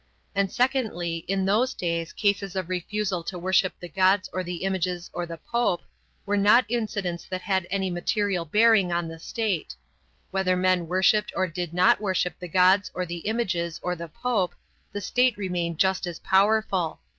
And secondly, in those days cases of refusal to worship the gods or the images or the Pope were not incidents that had any material bearing on the state. Whether men worshiped or did not worship the gods or the images or the Pope, the state remained just as powerful.